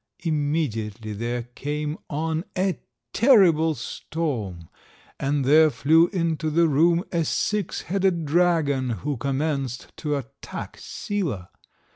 Immediately there came on a terrible storm, and there flew into the room a six headed dragon who commenced to attack Sila.